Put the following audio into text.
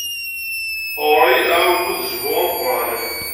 Ɣer-i, aɛumu d zzhu ameqran.